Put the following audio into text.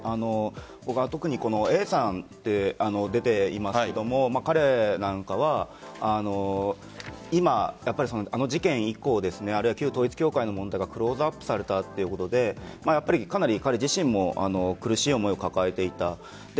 僕は特にＡさんと出ていますが彼なんかは今あの事件以降旧統一教会の問題がクローズアップされたということでかなり彼自身も苦しい思いを抱えていた。